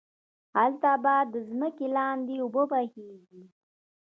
هلته به ده ځمکی لاندی اوبه بهيږي